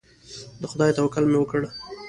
د خدای توکل مې وکړ.